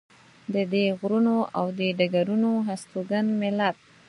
د دې غرونو او دې ډګرونو هستوګن ملت.